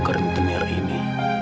aku akan seret hatimu